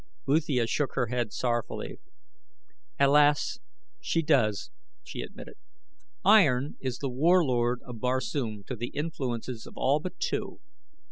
Uthia shook her head sorrowfully. "Alas! she does," she admitted. "Iron is the Warlord of Barsoom to the influences of all but two.